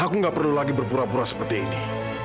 aku gak perlu lagi berpura pura seperti ini